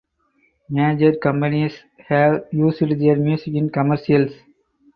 Major companies have used their music in commercials.